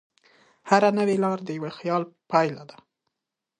هره نوې لار د یوه خیال پایله ده.